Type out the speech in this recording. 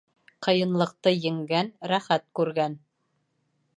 Ҡыйынлыҡты еңгән рәхәт күргән